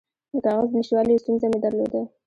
د کاغذ د نشتوالي ستونزه مې درلوده.